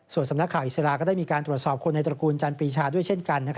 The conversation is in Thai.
ส่วนสำนักข่าวอิสระก็ได้มีการตรวจสอบคนในตระกูลจันปรีชาด้วยเช่นกัน